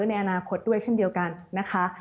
ในอนาคตด้วยเช่นเดียวกันนะคะ